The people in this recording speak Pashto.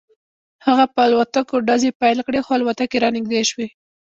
هغه په الوتکو ډزې پیل کړې خو الوتکې رانږدې شوې